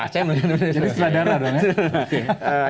jadi setelah darah dong ya